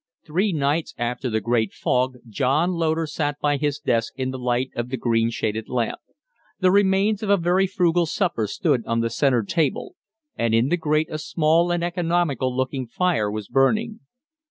Three nights after the great fog John Loder sat by his desk in the light of the green shaded lamp. The remains of a very frugal supper stood on the centre table, and in the grate a small and economical looking fire was burning.